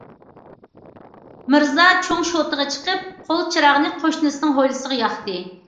مىرزا چوڭ شوتىغا چىقىپ قول چىراغنى قوشنىسىنىڭ ھويلىسىغا ياقتى.